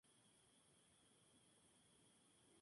Henry Royce siguió un camino totalmente diferente.